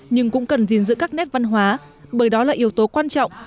nhưng cũng cần gìn giữ các nét văn hóa bởi đó là yếu tố quan trọng